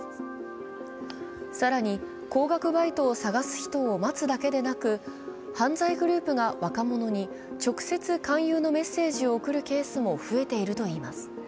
更に高額バイトを探す人を待つだけでなく、犯罪グループが若者に直接勧誘のメッセージを送るケースも増えているといいます。